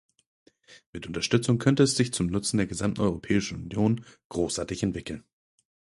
Mit Unterstützung könnte es sich zum Nutzen der gesamten Europäischen Union großartig entwickeln.